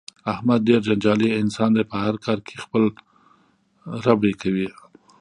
احمد ډېر جنجالي انسان دی په هر کار کې ربړې کوي.